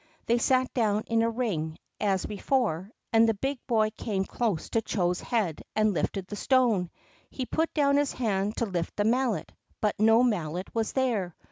They sat down in a ring, as before, and the big boy came close to Chô's head and lifted the stone. He put down his hand to lift the Mallet, but no mallet was there.